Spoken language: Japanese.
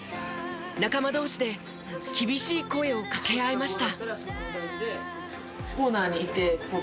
仲間同士で厳しい声を掛け合いました。